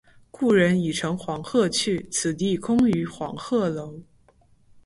昔人已乘黄鹤去，此地空余黄鹤楼。